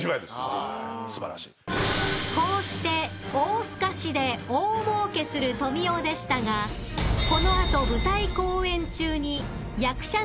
［こうして大スカしで大もうけする富美男でしたがこの後舞台公演中に役者